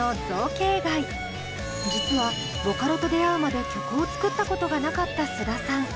実はボカロと出会うまで曲を作ったことがなかった須田さん。